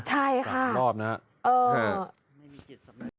ใช่ค่ะรอบนั้น